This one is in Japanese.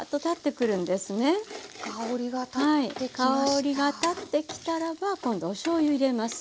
香りが立ってきたらば今度おしょうゆ入れます。